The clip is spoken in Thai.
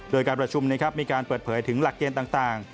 โดยการประชุมนะครับมีการเปิดเผยถึงหลักเกณฑ์ต่าง